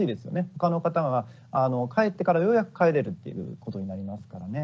他の方が帰ってからようやく帰れるっていうことになりますからね。